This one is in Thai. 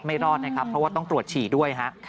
ไม่รอดต้องตรวจฉี่ด้วย